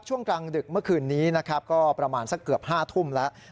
ช่วงกลางดึกเมื่อคืนนี้นะครับก็ประมาณสักเกือบ๕ทุ่มแล้ว